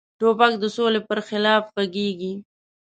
توپک د سولې پر خلاف غږیږي.